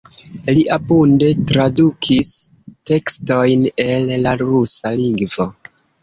Li abunde tradukis tekstojn el la rusa lingvo.